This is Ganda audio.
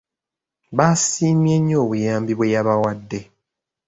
Baasiimye nnyo obuyambi bwe yabawadde.